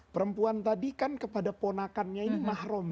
perempuan tadi kan kepada ponakannya ini mahrum